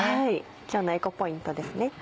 今日のエコポイントですね。